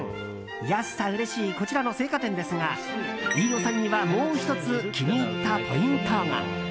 安さうれしいこちらの青果店ですが飯尾さんにはもう１つ気に入ったポイントが。